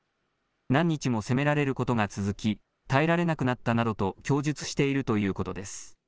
何日も責められることが続き、耐えられなくなったなどと供述しているということです。